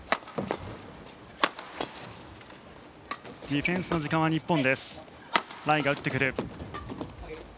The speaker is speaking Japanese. ディフェンスの時間は日本。